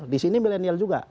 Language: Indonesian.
di sini milenial juga